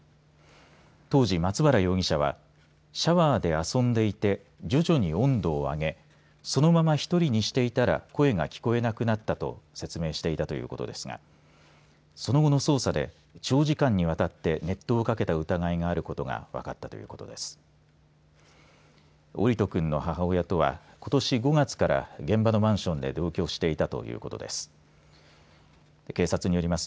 当時、松原容疑者はシャワーで遊んでいて徐々に温度を上げそのまま１人にしていたら声が聞こえなくなったと説明していたということですがその後の捜査で長時間にわたって熱湯をかけた疑いがあることが分かったということです。